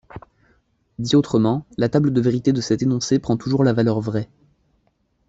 Dit autrement, la table de vérité de cet énoncé prend toujours la valeur vrai.